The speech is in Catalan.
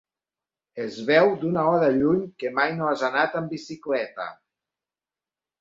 Es veu d'una hora lluny que mai no has anat amb bicicleta.